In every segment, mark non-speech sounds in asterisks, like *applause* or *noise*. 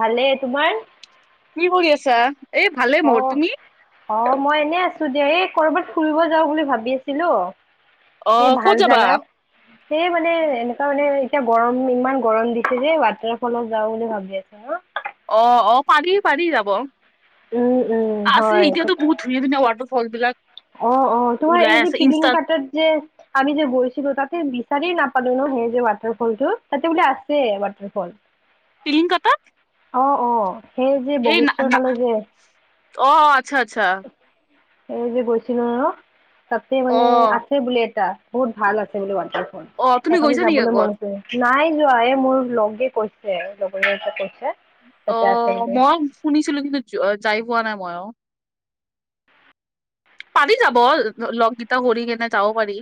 ভালে তোমাৰ কি কৰি আছা এই ভালে অ মোৰ, তুমি? অ অ মই এনে আছো দিয়া এই কৰবাত ফুৰিব যাও বুলি ভাবি আছিলো অ', এ ক'ত ভাল যাবা? জাগা সেয়ে মানে এনেকুৱা মানে এতিয়া গৰম ইমান গৰম দিছে যে ৱাটাৰ ফলত যাওঁ বুলি ভাবি আছো ম অ অ পাৰি পাৰি যাব আছে উম উম হয় এতিয়াতো বহুত ই পিনে ৱাটাৰফল বিলাক অ অ তোমাৰ ওলাই এই যে আছে পিলিং ইনষ্টাত, কাটাত যে আমি যে গৈছিলো তাতে বিচাৰি নাপালো ন সেই যে ৱাটাৰ ফলটো তাতে বোলে আছে ৱাটাৰফল টিলিংকাতা অ অ সেই যে বশিষ্ঠৰ ফালে যে অ অ আচ্ছা আচ্ছা সেই যে গৈছিলো ন তাতে মানে অ', আছে বোলে এটা বহুত ভাল আছে বোলে উৱাটাৰ ফল অ', তুমি এফালে গৈছা নেকি যাবলৈ আগত? মন আছে নাই যোৱা এই মোৰ লগে কৈছে, লগৰ কেইটাই কৈছে। তাতে আছে অ' বোলে মই শুনিছিলো কিন্তু যাই পোৱা নাই মই অ'। পাৰি যাব লগ কিটা কৰি কিনে যাব পাৰি।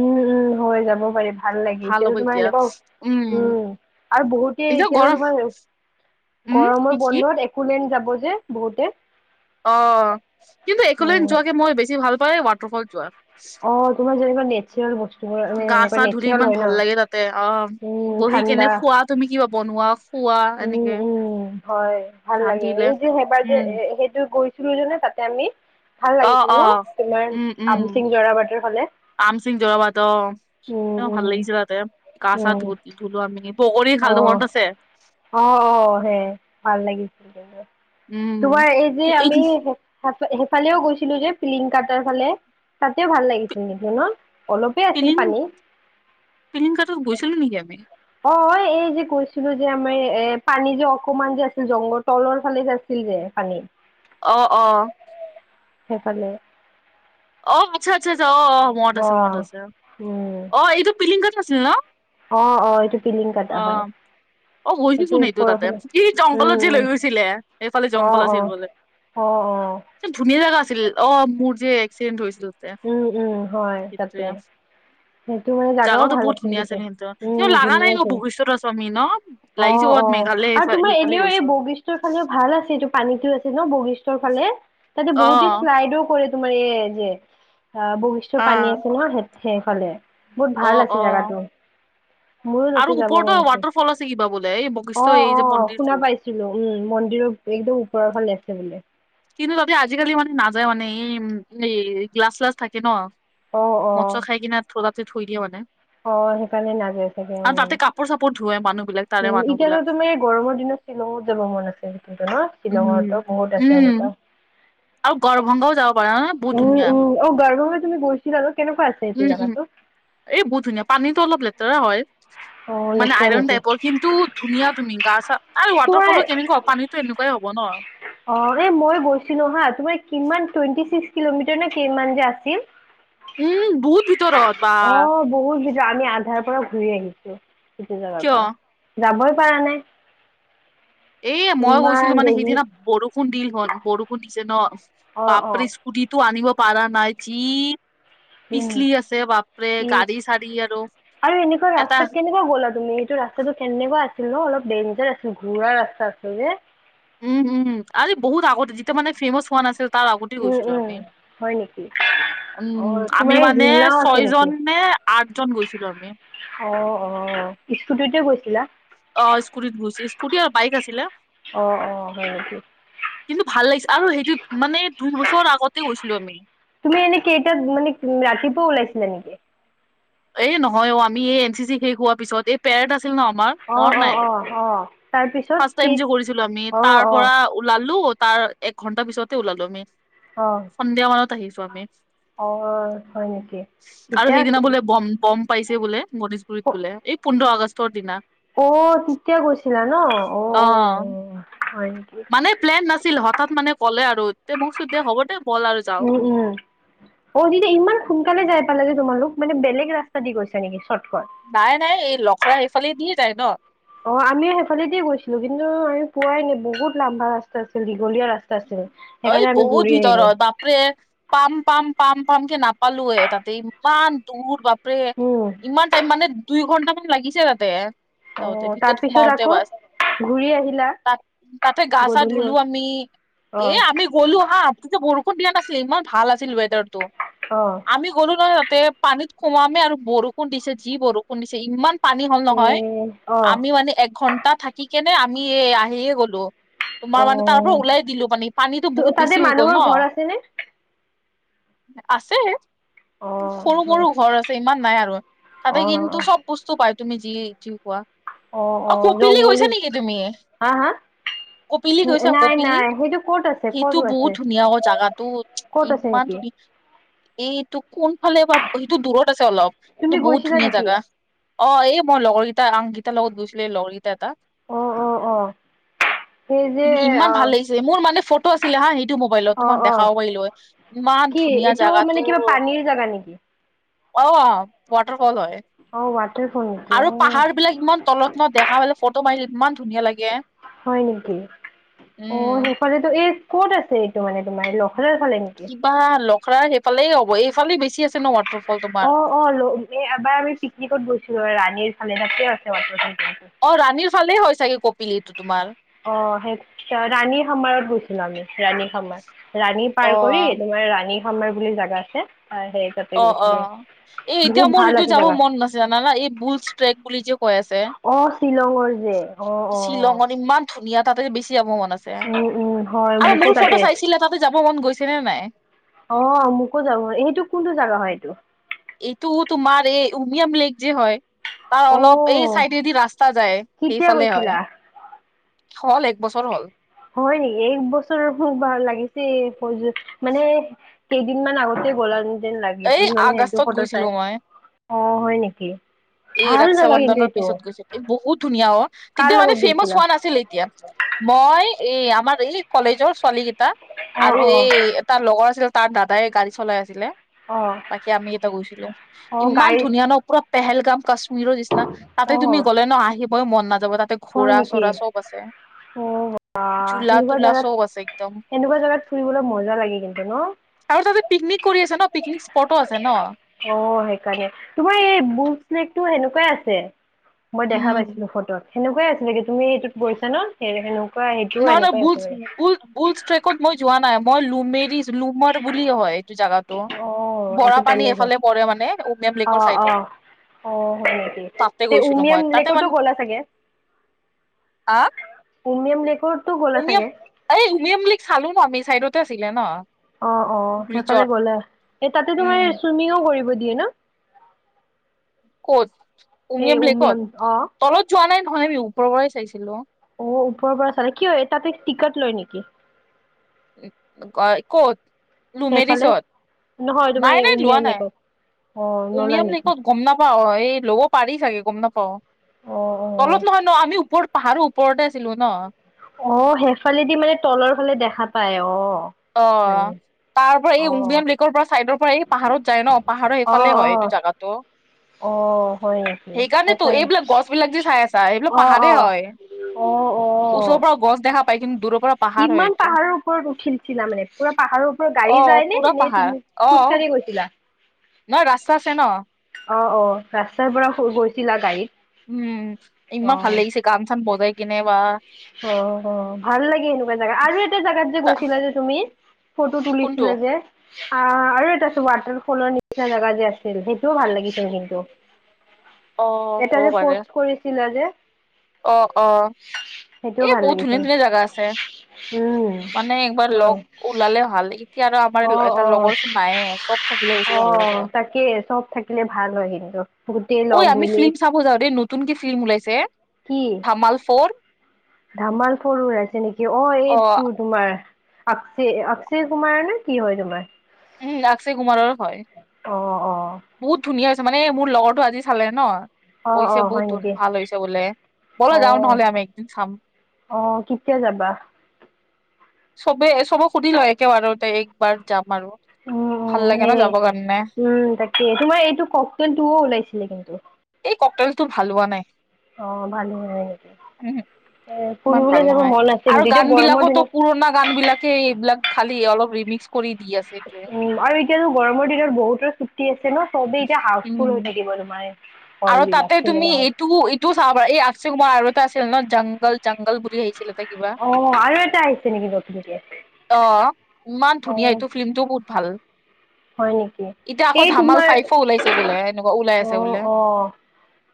উম উম হৈ যাব পাৰি ভাল লাগে হ'ব এতিয়াতো তোমাৰ এতিয়া। এনেকুৱও উম আৰু বহুতে এতিয়া ও উম, কি গৰমৰ কি? বন্ধত সুলন যাব যে বহুতে *inaudible* অ' কিন্তু উম *inaudible* যোৱাকে মই বেছি ভাল পাই ৱাটাৰফল যোৱা অ' তোমাৰ যেনিবা নে নেচাৰেল বস্তুবোৰ গা চা এনেকুৱা ধুলি নেচাৰেল ইমান হয় ভাল ন, লাগে তাতে অ উম বহি কেনে ঠাণ্ডা। খোৱা তুমি কিবা বনোৱা খোৱা এনেকে উম উম হয় ভাল লাগে ৰান্ধিলে এই যে সেইবাৰ যে উম সেইটো গৈ তাতে আমি। ভাল অ' লাগিছিল ন অ' তোমাৰ উম। উম, আমচিং জৰাবাটৰ ফালে আমচিং যোৱাবাত উম তেওঁ উম ভাল লাগিছে তাতে। গা সা উম ধুলো আমি পকৰি অ খালো মনত আছে? অ' অ' সেইয়াই ভাল লাগিছিল, উম তোমাৰ এই যে আমি সেইফালেও গৈছিলো যে পিং কটাৰ ফালে তাতেও ভাল লাগিছিল নেকি ন? অলপে আছিল পানী। টং কত গৈছিলো নেকি আমি *inaudible* অ' এই যে কৈছিলো যে আমাৰ এ' পানী যে অকমান যে আছিল জংঘল তলৰ ফালে যে আছিল যে পানী। অঁ অঁ। সেইফালে। অ' আচ্ছা আচ্ছ আচ্ছ অ মনত অ আছে মনত আছে উম অ এইটো পিলিংঘাট আছিল ন? অ অ এইটো পিলিং অ কটা হয় *inaudible* অ' গৈছো চোন এইটো ওপৰৰ তাতে ফালে এই জংঘলত যে লৈ গৈছিলে সেইফালে অঁ জংঘল আছিল বোলে। অঁ অঁ। ধুনীয়া জেগা আছিল, অ' মোৰ যে এক্সিডেণ্ট হৈছিল। তাতে উম উম হয় সেইটোৱে তাতে। সেইটো মানে জাগাও জাগাতো ভাল বহুত আছিল ধুনীয়া কিন্তু, উম কিন্তু লগা নাই ধুনীয়া ন আছিল। ভোগেশ্বৰৰ স্বামী ন লাগিছে অ' ক'ত অ' মেঘালয় আৰু সেইফাল তোমাৰ সেইফালে এনেও এই গৈছো বগি ফালেও ভাল আছে এইটো পানীতো আছে ন বশিৰ্ষ্টৰ ফালে তাতে অ বহুতে শ্লাইডো কৰে। তোমাৰ এই যে আহ, বৈশিষ্ঠ পানী আছে অ নহয় সেইফালে বহুত ভাল অ আছে জেগাটো। মোৰো আৰু তাতে যাব ওপৰতো মন আছিল, ৱাটাৰ ফল আছে কিবা বোলে এই বশিষ্ঠ অ' এই যে অ' মন্দিৰটো শুনা পাইছো। উম, মন্দিৰৰ একদম ওপৰৰ ফালে আছে বোলে। কিন্তু তাতে আজিকালি মানে নাযায় মানে, এই এ' গ্নিলাছ চিলাছ থাকে ন। অ', মট - অ', চট খাই কিনে ভুলতে থৈ দিয়ে মানে। অ' সেইকাৰণে নাযায় চাগে। উম। তাতে কাপোৰ চাপোৰ ধু মানুহবিলাক উম, এতিয়াতো তোমাৰ গৰমৰ দিনত শ্বিলঙত যাব মন আছে কিন্তু ন উম শ্বিলঙতো বহুত আছে উম এনেকুৱা আৰু গৰভংগও যাব পাৰে নহয় বহুত উম, ধুনীয়া। উম, অ গাৰগৱে তুমি গৈছিলা আৰু কেনেকুৱা আছিল *inaudible* উম উম, এই বহুত ধুনীয়া পানীতো অলপ লেতেৰা হয়। অঁ। মানে আইৰণ টাইপৰ কিন্তু ধুনীয়া তুমি গা- চা আৰু তোমাৰ ৱাটাৰফলো কেনেকুৱা পানীতো এনেকুৱাই হ'ব ন। অ' এই মই গৈছিলো হা তোমাৰ কিমান টুৱেণ্টি ছিক্স কিলোমিটাৰ নে কিমান যে আছিল। উম বহুত ভিতৰত ৱাহ। অ', বহুত ভিতৰ আমি আধাৰ পৰা ঘূৰি আহিছো, সেইটো জাগাৰ কিয় পৰা যাবই পাৰা নাই। এ মই ইমান গৈছিলো মানে দেৰি সেইদিনা বৰষুণ দিল হন বৰষুণ দিছে ন অ', অ', বাপৰে ইস্কুটি তো আনিব পাৰা নাই যি উম, পিছলি আছে বাপৰে ইচ। গাড়ী চাৰি আৰু এটা কেনকুৱা গ'লা তুমি? এইটো ৰাস্তাটো কেনেকুৱা আছিল ন অলপ ডেঞ্জাৰ আছিল ঘোৰা ৰাস্তা আছিল যে। উম উম আৰে বহুত আগতে যেতিয়া মানে ফেমাচছ হোৱা নাছিল তাৰ আগতেই উম গৈছিলো উম আমি। হয় নেকি অ উম আমি তোমাৰ এই মানে ঝুলনাও আছে ছয় নেকি জন নে আঠজন গৈছিলো আমি। অ' অ' স্কুটিতে গৈছিলা? অঁ স্কুটিত গৈছো ইস্কুটি আৰু বাইক আছিলে। অ অ হয় নেকি কিন্তু ভাল লাগিছে, আৰু সেইটো মানে দুই বছৰ আগতে গৈছিলো আমি। তুমি এনে কেইটাত মানে ৰাতিপুৱা ওলাইছিলা নেকি? এ নহয় অ আমি এই এন চি চি শেষ হোৱাৰ পিছত, এই পেৰেড আছিল ন আমাৰ। অ' মনত নাই অ' অঁ। ফাৰ্ষ্ট টাইম যে কৰিছিলো আমি তাৰ অ পৰা ওলালো তাৰ এক ঘন্টা পিছতে ওলালো আমি। অ'। সন্ধিয়া মানত আহিছো আমি। অ' হয় নেকি আৰু ঠিকে সেইদিনা আছিল বোলে বম বম পাইছে বোলে গণেশগুৰিত বোলে, এই পোন্ধৰ আগষ্টৰ দিনা। অ' তেতিয়া গৈছিলা ন। অ' অ' হয় নেকি? মানে প্লেন নাছিল হঠাৎ মানে ক'লে আৰু দে হ'ব দে বল আৰু যাওঁ। উম উম অ তেতিয়া ইমান সোনকালে যাই পালা যে তোমালোক। মানে বেলেগ ৰাস্তা দি গৈছে নেকি চৰ্টকাট? নাই নাই এই লখৰা এইফালে দিয়ে যাই ন। অঁ আমিও সেইফালে দিয়ে গৈছিলো কিন্তু আমি পোৱাই নাই বহুত লাম্বা ৰাস্তা আছিল দীঘলীয়া ৰাস্তা আছিল এই সেইকাৰণে আমি বহুত ঘূৰি ভিতৰত আহিলো। বাপৰে পাম পাম পাম পাম কে নাপালোৱে তাতে, ইমান দূৰ বাপ ৰে উম, ইমান টাইম মানে দুই ঘন্টামান লাগিছে তাতে। যাওঁতে অ', ভিতৰত তাৰপিছত সোমাওতে আকৌ বাচ ঘূৰি আহিলা তাত, তাতে গা ছা গধূলি ধুলো হ'ল আমি। এ অ', আমি গ'লো হা, তেতিয়া বৰষুণ দিয়া নাছিল। ইমান ভাল আছিল ৱেডাৰটো। অঁ। আমি গ'লো নহয় তাতে, পানীত সোমামে আৰু বৰষুণ দিছে, যি বৰষুণ দিছে। ইমান পানী হ'ল এ নহয়! অ', আমি মানে একঘন্টা থাকি কেনে আমি এ আহিয়ে গ'লো। তোমাৰ মানে তাৰ পৰা অ', ওলাই দিলোঁ মানে, পানীটো বহুত তাতে বেছি হৈ গ'ল মানুহৰ ন। ঘৰ আছেনে? আছে, অ', সৰু হয় সৰু ঘৰ আছে, ইমান নাই আৰু। তাতে অ', অ', কিন্তু চব বস্তু পায় তুমি যি যি খোৱা। অ' অ' জংগলী, হা হা? কপিলি গৈছা নাই কপিলি নাই সেইটো ক'ত আ সেইটো বহুত ধুনীয়া অ জাগাটো ক'ত আছে ইমান নেকি? ধুনীয়া। এ এইটো কোনফালে বা সেইটো দূৰত আছে অলপ, তুমি কিন্তু বহুত গৈছিলা ধুনীয়া নেকি? জাগা। অ', এই মই লগৰকেইটা অংকিতাৰ লগত গৈছিলো, এই লগৰকেইটা এটা। অ', অ', অ'। সেই যে কিমান ভাল অ', লাগিছে, মোৰ মানে ফ টো আছিলে হা সেইটো মোবাইলত, তোমাক অ', অ', দেখাব পাৰিলো হয়, ইমান কি ধুনীয়া এইটো জাগাটো। মানে কিবা পানীৰ জাগা নেকি? অঁ, ৱাটাৰফল হয়, অ', ৱাটাৰফল নেকি আৰু অ'। পাহাৰবিলাক ইমান তল মই দেখা পালোঁ, ফটো মাৰিলো ইমান ধুনীয়া লাগে। হয় নেকি? অঁ উম সেইফালেটো এহ ক'ত আছে এইটো মানে তোমাৰ লখৰাৰ ফালে নেকি? বা লখৰাৰ সেইফালেই হ'ব, এইফালে বেছি আছে ন ৱাটাৰফলটো তোমাৰ। অঁ, ল এ এবাৰ আমি পিকনিকত গৈছিলো ৰাণীৰ ফালে, সেইয়াতেও আছে ৱাটাৰফল তেনেকে। অ, ৰাণীৰ ফালেই হয় চাগে কপিলীটো তোমাৰ। অ, সেই ৰাণী সমাৰোহত গৈছিলো আমি ৰাণী সমাৰ। ৰাণী পাৰ অ কৰি তোমাৰ ৰাণী সমাৰ বুলি জাগা আছে, তাৰ সেই তাতে অ অ, গৈছিলো। এই এতিয়া বহুত মোৰ ভাল সেইটো আছে যাব জাগা। মন আছে জানানা এই বুলছ ট্ৰেক বুলি যে কৈ আছে। অঁ, শ্বিলঙৰ যে অঁ অঁ অঁ। শ্বিলঙত ইমান ধুনীয়া তাতে বেছি যাব মন আছে, উম, উম, হয় আৰু মোকো মোৰ ফটো তাতে চাইছিলা তাতে যাব মন গৈছে নে নাই? অঁ, মোকো যাব, এইটো কোনটো জাগা হয় এইটো? এইটো তোমাৰ, এই উমিয়াম লেক যে হয়। তাৰ অলপ এই অ', চাইডেদি ৰাস্তা যায়, কেতিয়া সেইফালে গৈছিলা? হয়। হ'ল, এক বছৰ হ'ল। হয় নেকি? এক বছৰ খুব ভাল লাগিছে, মানে কেইদিনমান আগতেই গ'লা যেন যেন লা গে, এই যোনমানে সেইটো আগষ্টত ফটো গৈছিলো চায়। মই অঁ হয় নেকি? এই ভাল ৰাক্সা জাগা কিন্তু বন্ধনৰ এইটো পিছত গৈছে। এ বহুত ধুনীয়া ও, কাৰ তেতিয়া মানে লগত ফেমাচ গৈছিলা? হোৱা নাছিলে তেতিয়া। মই, এই আমাৰ এই কলেজৰ ছোৱালীকেইটা অ', আৰু অ', এই তাৰ লগৰ আছিলে, তাৰ দাদাই গাড়ী চলাই আছিলে। অ', বাকী আমি ইয়াপা গৈছিলো। অ', ইমান গাড়ীত ধুনীয়া ন, পুৰা পেহেলগাম কাশ্মীৰৰ নিচিনা তাতে তুমি অ', গ'লে ন আহিবই মন নাযাব, তাতে ঘোৰাঁ চোৰা চব আছে। অঁ বা, ঝোলা সেনেকুৱা তোলা চব জাগাত আছে একদম সেনেকুৱা জাগাত ফুৰিবলৈ মজা লাগে কিন্তু ন। আৰু তাতে পিকনিক কৰি আছে ন, পিকনিক স্পটো আছে ন। অঁ সেইকাৰণে, তোমাৰ এই বুকপ্লেটটো সেনেকুৱাই আছে। মই দেখা উম পাইছিলো ফটোত, সেনেকুৱাই আছিলে কি তুমি এইটোত গৈছা ন সেনে সেন নহয় নহয়, বুজ বুজ বুজষ্ট্ৰেকত মই যোৱা নাই। মই লোমেৰি লুমত বুলিয়ে হয় এইটো জাগাতো। অ' এইটো বৰাপানী বেলেগ হয় এইফালে পৰে মানে, উমিয়াম লেকৰ চাইডত। অঁ হয় নেকি? তে' উমিয়াম লেকটো গ'লা চাগে। হা উমিয়াম লেকত। উমিয়াম এই উমিয়াম লেক চালো ন আমি, চাইডতে আছিলে ন। অঁ অঁ, সেইফালে ব্ৰিজত গলা এই তাতে তোমাৰ উম, চুইমিংও কৰিব দিয়ে ন। ক'ত সেই উমিয় লেকত উমিয়াম অ' তলত যোৱা নাই নহয়, আমি ওপৰৰ পৰাই চাইছিলো অ ওপৰৰ পৰা চালয় কিয় তাতে টিকট লয় নেকি? উ ক'ত? সেইফালে লুমেৰিছত, নহয় তোমাৰ নাই এই নাই লোৱা উমিয়াম নাই লেকত অ নলয় উমিয়াম নেকি? লেকাত। গম নাপাও এই ল'ব পাৰি চাগে গম নাপাওঁ, অ অ তলত নহয় ন আমি ওপৰত পাহাৰৰ ওপৰতে আছিলো ন। অ সেফালেদি মানে তলৰ ফালে দেখা পায় অ। মানে অঁ তাৰ পৰা এই অ উমিয়াম লেকৰ পৰা চাইডৰ পৰা এই পাহাৰত যায় ন, পাহাৰৰ অ এইফালে হয় অ এইটো জেগাতটো। অ হয় নেকি সেইকাৰণেতো সেইকাৰণে এইবিলাক গছবিলাক যে চাই আছা এইবিলাক অ পাহাৰেই হয়। অ অ অ ওচৰৰ পৰা গছ দেখা পাই কিন্তু দূৰৰ পৰা- পাহাৰ হয় ইমান এইটো পাহাৰৰ ওপৰত উঠিলছিলা মানে পুৰা পাহাৰৰ- অ গাড়ী যায় পুৰা নে নে পাহাৰ তুমি অ খোজ কাড়ি গৈছিলা? নহয় ৰাস্তা আছে ন অঁ অঁ ৰাস্তাৰ পৰা শুই গৈছিলা গাড়ীত। উম' ইমান ভাল অ লাগিছে গান চান বজাই কিনে বা। অ ভাল লাগে এনেকুৱা জেগা আৰু এটা জেগাত যে তা- গৈছিলা যে তুমি। ফটো কোনটো তুলিছিলা যে। আহ আৰু এটা ৱাটাৰফলৰ নিচিনা জেগা যে আছিল সেইটোও ভাল লাগিছিল কিন্তু। অ এটা যে হব পাৰে। পষ্ট কৰিছিলা যে। অ অ' সেইটোও এই ভাল বহুত লাগিছিল ধুনীয়া ধুনীয়া জাগা আছে উম মানে একবাৰ লগ হয় ওলালে ভাল লাগে। এতিয়া আৰু আমাৰ অ তাৰ অ লগৰচোন নায়ে চব থাকিলে বেছি অ ভাল লাগে। তাকে চব থাকিলে ভাল হয় কিন্তু গোটেই ঐ লগ আমি মিলি ফিল্ম চাব যাওঁ দেই নতুনক ফিল্ম ওলাইছে। কি? ধামাল ফৰ। ধামাল ফৰু আছে নেকি অ' এইটোত- কুমাৰ অকছে অকচয় কুমাৰ নে কি হয় তোমাৰ। উম' আকচয় কুমাৰৰে হয়। অ অ' বহুত ধুনীয়া হৈছে মানে মোৰ লগৰটো আজি চালে ন। অ অ কৈছে হয় বহুত নেকি ভাল হৈছে বোলে ব'লা যাও নহলে আমি একদিন চাম। অঁ কিতিয়া যাবা? চবে চবক সুধি লয় একেবাৰতে একবাৰ যাম আৰু। ভাল লাগে ন উম'সেই যাবৰ কাৰণে উম তাকে তোমাৰ এইটো ককতেল টোও ওলাইছিলে কিন্তু। এই ককটেলটো ভাল হোৱা নাই। অঁ ভালেই হয় উহো সেনেকে এ ইমান ভাল ফুৰিবলৈ যাব নহয় মন আছে আৰু কিন্তু গান এতিয়া গৰমৰ বিলাকতো দিনত- পুৰণা গান বিলাকে এইবিলাক খালি অলপ ৰিমিক্স কৰি দি আছে যে। বাৰু এতিয়াতো গৰমৰ দিনত বহুতৰ ছুটি আছে ন চবেই এতিয়া হাউচফুল উম হৈ থাকিব তোমাৰ। হল আৰু বিলাক তাতে তুমি চিনেমা হল এইটো- তো চাব পাৰা এই আকচয় কুমাৰ আৰু এটা আছিল ন জংগল জংগল বুলি আহিছিলে তাইক- অ আৰু এটা আহিছে নেকি নতুনকে? অঁ ইমান অ ধুনীয়া এইটো ফিল্মটো বহুত ভাল। হয় নেকি এতিয়া আকৌ এই ধামাল তোমাৰ ফাইফো ওলাইছে বোলে এনেকুৱা ওলাই অ আছে বোলে। অ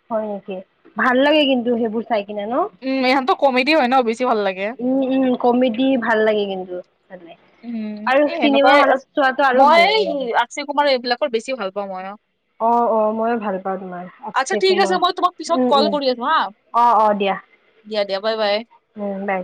হয় নেকি ভাল লাগে কিন্তু সেইবোৰ চাই কিনে ন। উম' এইখনতো কমেডি হয় ন বেছি- ভাল লাগে উম উম' কমেডি ভাল লাগে কিন্তু চালে। উম আৰু এই চিনেমা হলত চোৱাটো আৰু ভাল লাগে। অকচয় কুমাৰৰ এইবিলাকৰ বেছি ভাল পাওঁই মই অঁ। অঁ অঁ ময়ো ভাল পাওঁ তোমাৰ আচ্ছা অক্ষয় ঠিক আছে কুমাৰ মই তোমাক পিছত উম কল উম' কৰি আছো হা অঁ অঁ দিয়া। দিয়া দিয়া বাই বাই। উম বাই।